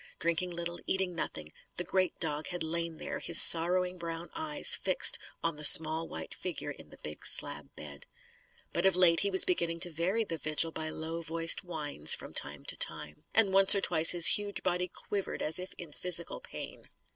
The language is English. Drinking little, eating nothing, the great dog had lain there, his sorrowing brown eyes fixed on the small white figure in the big slab bed. But of late he was beginning to vary the vigil by low voiced whines, from time to time. And once or twice his huge body quivered as if in physical pain.